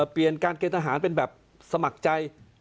เปลี่ยนการเกณฑ์ทหารเป็นแบบสมัครใจ